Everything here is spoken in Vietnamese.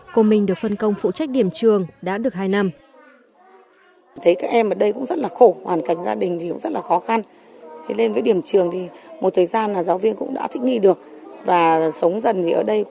cô minh được phân công phụ trách điểm trường đã được hai năm